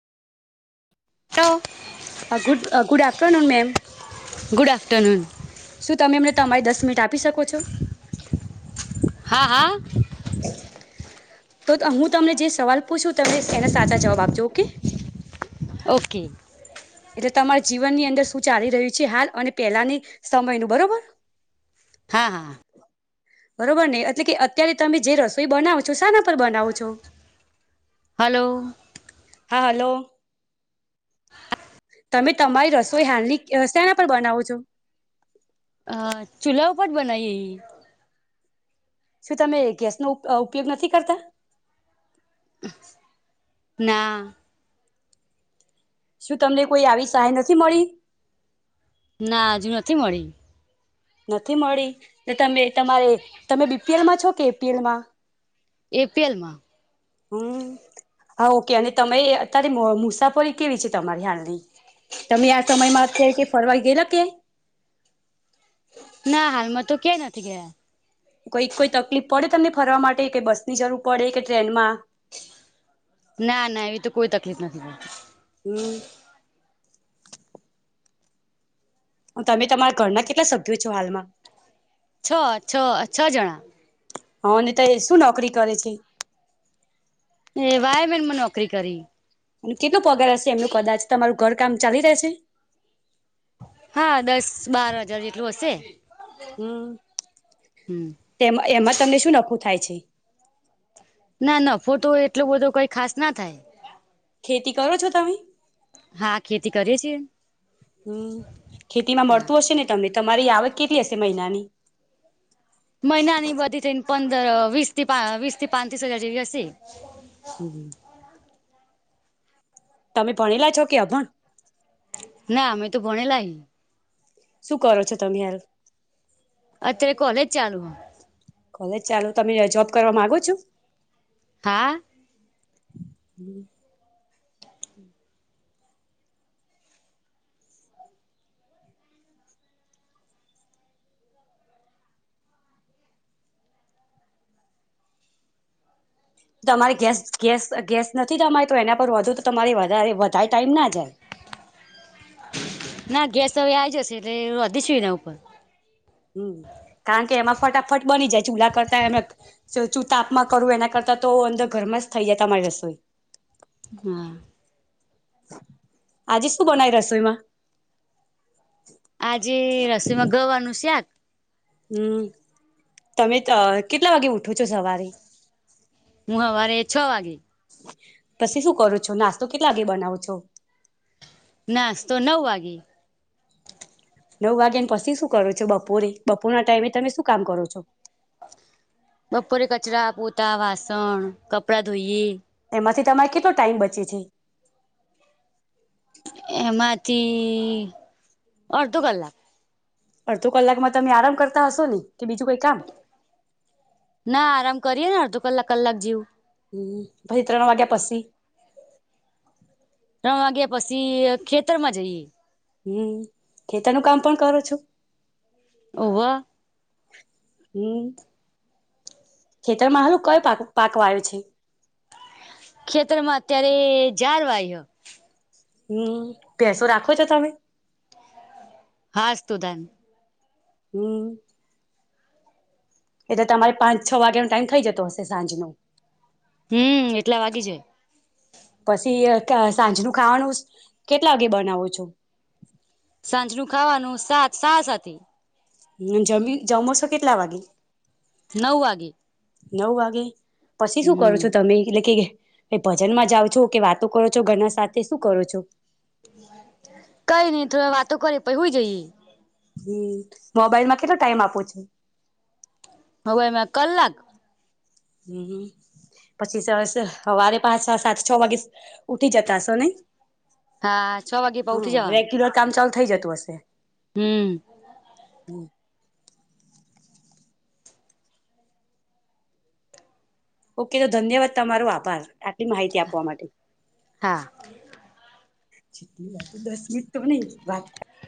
તો હ ગુ good afternoon ma'am. Good afternoon. શું તમે એમને તમારી દસ મિનિટ આપી શકો છો. હા હા. તો હું તમને જે સવાલ પૂછું તમે એને સાચા જવાબ આપજો ઓકે. ઓકે. તો તમારા જીવન ની અંદર શું ચાલી રહ્યું છે હાલ અને પેલાની સમય નું બરોબર હા હા. બરોબર ને એટલે કે અત્યારે તમે જે રસોઈ બનાવો છો, સા ન પર બનાઓ છો. હલો હા હલો. તમે તમારી રસોઈ હાલની સેના પર પર બનાવો છો. આ ચૂલા ઉપર બનાઈઈ શું તમે ગેસ નો ઉપયોગ નથી કરતા? ના. શું તમને કોઈ આવી સહાય નથી મળી? ના, હજુ નથી મળી. નથી મળી? તો તમે-તમારે તમે બીપીએલ માં છો કે એપીએલ માં? એપીએલમાં. હમ્મ, હા, ઓકે અને તમે અત્યારે મુસાફરી કેવી છે તમારી હાલની? તમે આ સમયમાં અત્યાર કે ફડવાઈ ગયેલા ક્યાંય? ના, હાલમાં તો ક્યા નથી ગયા. કોઈક-કોઈ તકલીફ પડે તમને ફરવા માટે કે બસની જરૂર પડે કે ટ્રેનમાં? ના-ના એવી તો કોઈ તકલીફ નથી. હમ્મ. તમે તમારા ઘરના કેટલા સભ્યો છો, હાલમાં? છ-છ, છ જણા. હ નહીં તો એ શું નોકરી કરે છે? એ વાયર મેન માં નોકરી કરી. અને કેટલો પગાર હશે એમનું કદાચ તમારું ઘર કામ ચાલી રહેશે? હા, દસ-બાર હજાર જેટલું હશે. હમ્મ, હમ તેમાં-એમાં તમને શું નફો થાય છે. ના, નફો તો એટલો બધો કઈ ખાસ ના થાય. ખેતી કરો છો તમે? હા ખેતી કરીએ છીએ હમ્મ, ખેતી માં હા મળતું હશે ને તમે તમારી આવક કેટલી હશે મહિનાની? અઅ વીસ થી પા વીસ થી પાચ ત્રીસ હજાર જેવી હશે. હમ્મ. તમે ભણેલા છો કે અભણ? ના અમે તો ભણીલા હાઇ. શું કરો છો તમે હાલમાં? અત્યારે કોલેજ ચાલુ હ કોલેજ ચાલો તમે આ જોબ કરવા માગો છું? હા. હમ્મ. તમારે ગેસ-ગેસ-ગેસ નથી તમારે? તો એના પર વધુ તો તમારી વધારે વળ કાંઇ ટાઈમ ના જાય. ના, ગેસ તો હવે આવી જશે એટલે વધીશ શી નો? હમ્મ, કારણ કે એમાં ફટાફટ બની જાય ચૂલા કરતા એનું તાપમાં કરવું એના કરતાં તો અંદર ઘરમાં જ થઇ જાય તમારી રસોઈ. હમ્મ. આજે શું બનાયુ રસોઈમાં? આજે રસોઈમાં ગવાનું શાક હમ્મ, તમે અ કેટલા વાગે ઉઠો છો સવારે? હવારે છ વાગે પછી શું કરું છો નાસ્તો કેટલા વાગે બનાવો છો. નાસ્તો નવ વાગે. નવ વાગ્યા ને પછી શું કરો છો બપોરે બપોર ના ટાઈમે તમે શું કામ કરો છો? બપોરે કચરા પોતા વાસણ કપડા ધોઈએ. એમાંથી તમારે કેટલો ટાઈમ બચ [inaudible] એમાંથી અડધો કલાક. અડધો કલાકમાં તમે આરામ કરતા હશો ને કે બીજું કઈ કામ ના આરામ કરીએે ને અડધો કલાક કલાક જેવું. હમ પછિ ત્રણ વાગ્યા પસી. ત્રણ વાગ્યા પછી ખેતર માં જઈએ. હમ ખેતરનું કામ પણ કરો છો? ઓવા. હમ ખેતરમાં હાલું કઈ પાક પાકવા આવ્યો છે. ખેતર માં અત્યારે જાલ વાય્યો. હમ પેસો રાખો છો તમે? અસ્તુ ધન. હમ. એટલે તમારે પાંચ છ વાગ્યાનોો ટાઈમ ખઇ જતો હશે સાંજ નુ હમ એટલા વાગી છે. પછી સાંજ નુ ખાવાનું કેટલા વાગે બનાવો છો. સાંજ નું ખાવાનું સાત સાથી હ જમી જમોસો કેટલા વાગે. [inaudible] નવ વાગે નવ વાગે. પછી શું કરો હમ છો તમે એટલે કે. એ ભજનમાં જાઓ છો કે વાતો કરો છો ઘરના સાથે શું કરો છો. કઈ નઈ થોડ વાતો કરી પ [inaudible] હું જઈએ. મોબાઈલમાં કેટલો ટાઈમ આપો છો. હવે એમાં કલાક. હમ પછી સરસ હવારે પાંચ સાત છ વાગે ઉઠી જતાશો ને. હા છ વાગે પણ ઉઠી જવાનું. કામ ચાલુ થઈ જતું હશે. હમ. હ. [inaudible] ઓકે તો ધન્યવાદ તમારો આભાર. આટલી માહિતી આપવા માટે. હા લી વા તો દસ મિનિટ તો નહી બાત થ. [inaudible]